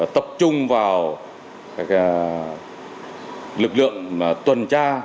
tập trung vào lực lượng tuần tra